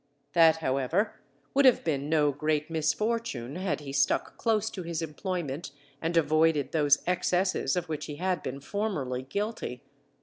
That, however, would have been no great misfortune had he stuck close to his employment and avoided those excesses of which he been formerly guilty.